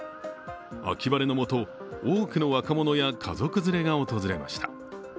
秋晴れの下、多くの若者や家族連れが訪れました。